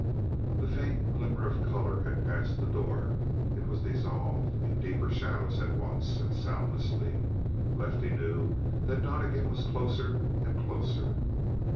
The faint glimmer of color had passed the door. It was dissolved in deeper shadows at once, and soundlessly; Lefty knew that Donnegan was closer and closer.